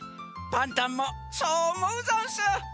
パンタンもそうおもうざんす。